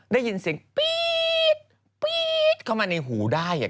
ได้ยินเสียงปี๊ดปี๊ดเข้ามาในหูได้อ่ะ